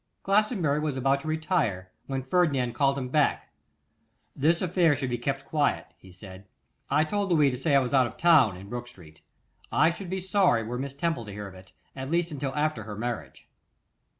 Glastonbury was about to retire, when Ferdinand called him back. 'This affair should be kept quiet,' he said. 'I told Louis to say I was out of town in Brook street. I should be sorry were Miss Temple to hear of it, at least until after her marriage.